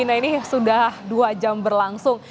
nah ini sudah dua jam berlangsung